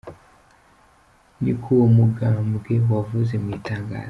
Ni ko uwo mugambwe wavuze mw’itangazo.